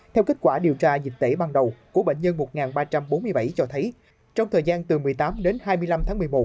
theo kết quả điều tra dịch tễ ban đầu của bệnh nhân một ba trăm bốn mươi bảy cho thấy trong thời gian từ một mươi tám đến hai mươi năm tháng một mươi một